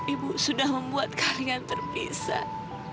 ibu sudah membuat kalian terpisah